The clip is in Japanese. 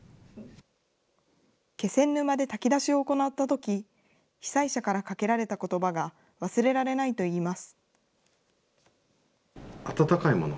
気仙沼で炊き出しを行ったとき、被災者からかけられたことばが忘れられないといいます。